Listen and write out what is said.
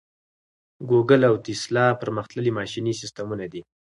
ګوګل او ټیسلا پرمختللي ماشیني سیسټمونه دي.